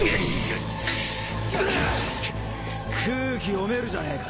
啊読めるじゃねえか。